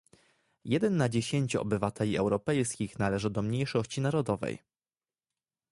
Jeden na dziesięciu obywateli europejskich należy do mniejszości narodowej